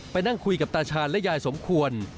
นั่งคุยกับตาชาญและยายสมควร